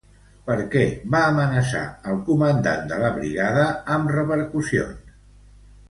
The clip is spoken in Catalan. Per què va amenaçar el comandant de la brigada amb repercussions?